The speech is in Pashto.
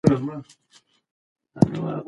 رابعه ګل او پاڼه په صالون کې ناستې دي.